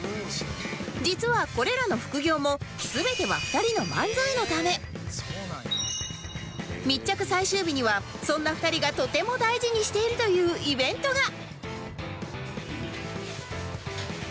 実はこれらの副業も全ては密着最終日にはそんな２人がとても大事にしているというイベントが